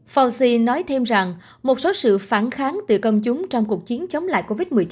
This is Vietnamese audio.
fause nói thêm rằng một số sự phản kháng từ công chúng trong cuộc chiến chống lại covid một mươi chín